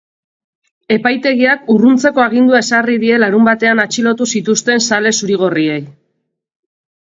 Epaitegiak urruntzeko agindua ezarri die larunbatean atxilotu zituzten zale zuri-gorriei.